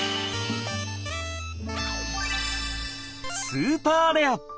スーパーレア！